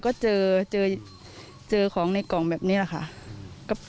ก็เจอเจอของในกล่องแบบนี้แหละค่ะ